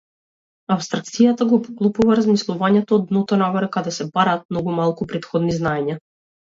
Апстракцијата го поклопува размислувањето од дното-нагоре каде се бараат многу малку претходни знаења.